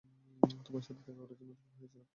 তোমার সাথে দেখা করার জন্য উদগ্রিব হয়ে ছিলাম।